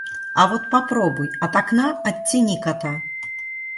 А вот попробуй — от окна оттяни кота.